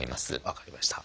分かりました。